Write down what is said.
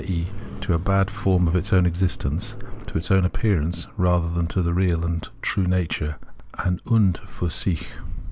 e. to a bad form of its own existence, to its appearance, rather than to its real and true nature {an und fur sich).